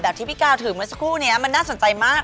ที่พี่กาวถือเมื่อสักครู่นี้มันน่าสนใจมาก